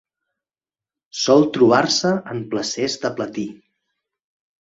Sol trobar-se en placers de platí.